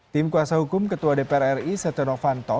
tim kuasa hukum ketua dpr ri setinovanto